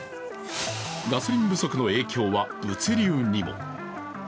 ガソリン不足の影響は、物流にも。